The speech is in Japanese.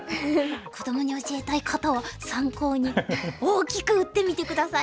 子どもに教えたい方は参考に大きく打ってみて下さい。